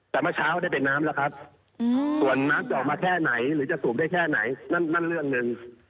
แต่เมื่อเช้าได้เป็นน้ำแล้วครับส่วนน้ำจะออกมาแค่ไหนหรือจะสูบได้แค่ไหนนั่นเรื่องหนึ่ง